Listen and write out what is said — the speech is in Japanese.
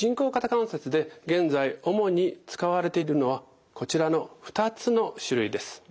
関節で現在主に使われているのはこちらの２つの種類です。